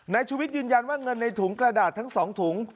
ชุวิตยืนยันว่าเงินในถุงกระดาษทั้ง๒ถุง